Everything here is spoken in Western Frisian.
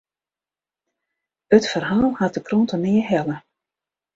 It ferhaal hat de krante nea helle.